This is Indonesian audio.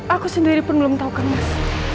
aku sendiri pun belum tahu kan mas